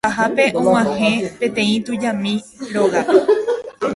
Ipahápe og̃uahẽ peteĩ tujami rógape.